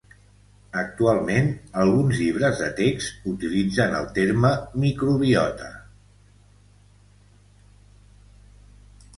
Actualment, alguns llibres de text utilitzen el terme microbiota.